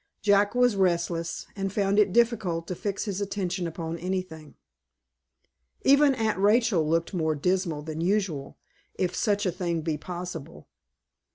Jack was restless, and found it difficult to fix his attention upon anything. Even Aunt Rachel looked more dismal than usual, if such a thing be possible.